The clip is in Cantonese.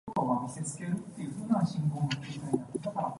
阿拉丁神燈